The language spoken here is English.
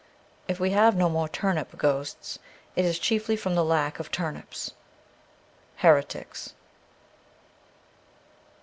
If we have no more turnip ghosts it is chiefly from the lack of turnips. ' Heretics.'